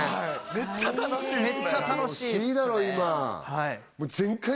めっちゃ楽しいっすね